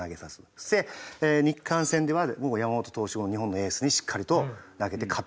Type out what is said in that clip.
そして日韓戦では山本投手を日本のエースにしっかりと投げて勝ってもらうと。